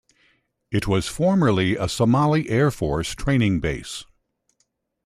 It was formerly a Somali Air Force training base.